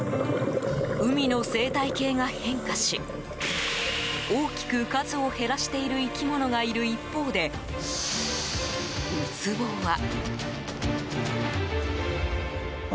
海の生態系が変化し大きく数を減らしている生き物がいる一方でウツボは。